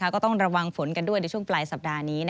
ก็ต้องระวังฝนกันด้วยในช่วงปลายสัปดาห์นี้